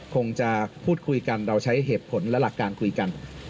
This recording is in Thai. คงจะพูดคุยกันเราใช้เหตุผลและหลักการคุยกัน